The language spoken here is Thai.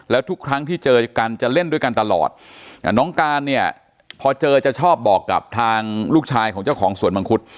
แล้วทุกครั้งที่เจอกันจะเล่นด้วยกันตลอดน้องการเนี่ยพอเจอจะชอบบอกกับทางลูกชายของเจ้าของสวนมังคุด